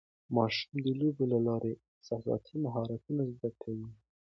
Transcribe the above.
ماشومان د لوبو له لارې احساساتي مهارتونه زده کوي.